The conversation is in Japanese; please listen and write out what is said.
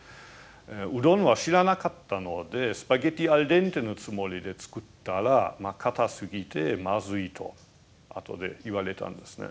うどんは知らなかったのでスパゲッティアルデンテのつもりで作ったら「硬すぎてまずい」とあとで言われたんですね。